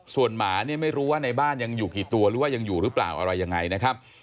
ส่วนหมาเนี่ยไม่รู้ว่าในบ้านยังอยู่กี่ตัวหรือว่ายังอยู่หรือเปล่าอะไรยังไงนะครับ